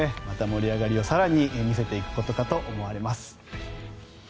また盛り上がりを更に見せていくことかと思います。